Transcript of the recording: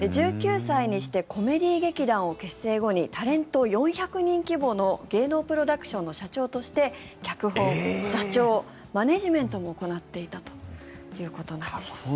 １９歳にしてコメディー劇団を結成後にタレント４００人規模の芸能プロダクションの社長として脚本、座長、マネジメントも行っていたということです。